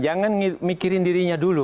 jangan mikirin dirinya dulu